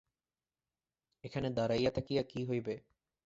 এখানে দাঁড়াইয়া থাকিয়া কী হইবে!